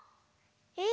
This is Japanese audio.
え。